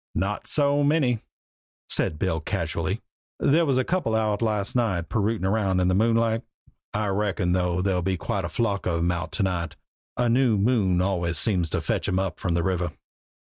"Not so many," said Bill casually. "There was a couple out last night pirootin' round in the moonlight. I reckon, though, there'll be quite a flock of 'em out to night. A new moon always seems to fetch 'em up from the river."